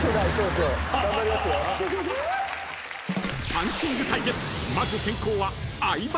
［パンチング対決まず先攻は］